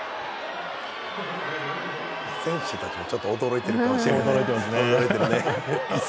選手たちもちょっと驚いている顔をしていますね。